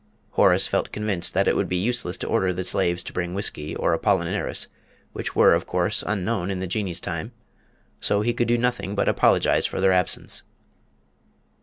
Horace felt convinced that it would be useless to order the slaves to bring whisky or Apollinaris, which were of course, unknown in the Jinnee's time, so he could do nothing but apologise for their absence.